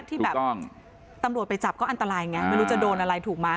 ที่แบบตำรวจไปจับก็อันตรายไงไม่รู้จะโดนอะไรถูกไหม